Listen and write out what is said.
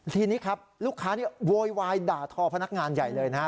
ทีนี้ครับลูกค้านี่โวยวายด่าทอพนักงานใหญ่เลยนะฮะ